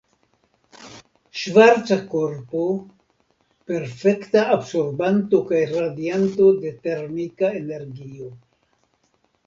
Ŝvarca Korpo: Perfekta absorbanto kaj radianto de termika energio.